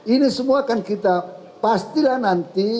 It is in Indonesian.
ini semua akan kita pastilah nanti